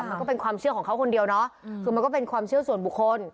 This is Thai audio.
มันก็เป็นความเชื่อของเขาคนเดียวเนาะคือมันก็เป็นความเชื่อส่วนบุคคล